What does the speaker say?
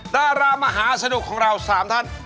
ดารามหาสนุกของเรา๓ท่าน